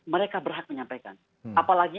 mereka berhak menyampaikan apalagi